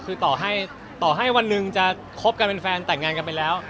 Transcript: คือต่อให้ต่อให้วันหนึ่งจะคบกันเป็นแฟนแต่งงานกันไปแล้ว